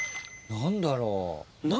何だろう。